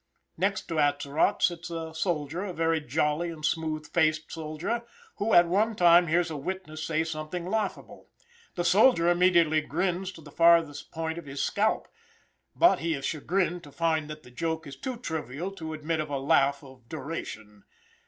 Next to Atzerott sits a soldier a very jolly and smooth faced soldier who at one time hears a witness say something laughable. The soldier immediately grins to the farthest point of his scalp. But he is chagrined to find that the joke is too trivial to admit of a laugh of duration.